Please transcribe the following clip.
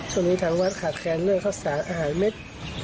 ช่วงนี้ทางวัดขาดแคลนเรื่องข้าวสารอาหารเม็ด